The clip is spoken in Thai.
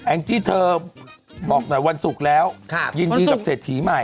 เอาล่ะแองที่เธอบอกว่าวันศุกร์แล้วยินดีกับเศรษฐีใหม่